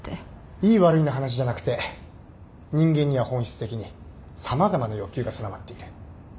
いい悪いの話じゃなくて人間には本質的に様々な欲求が備わっている。